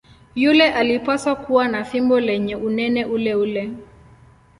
Yule alipaswa kuwa na fimbo lenye unene uleule.